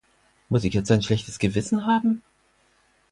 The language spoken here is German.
Muss ich jetzt ein schlechtes Gewissen haben?